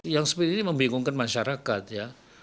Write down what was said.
yang seperti ini membingungkan masyarakat ya